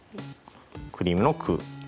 クリームの「ク」。